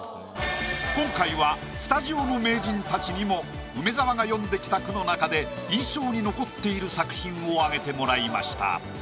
今回はスタジオの名人たちにも梅沢が詠んできた句の中で印象に残っている作品を挙げてもらいました。